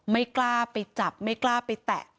ไม่กล้าไปจับไม่กล้าไปแตะ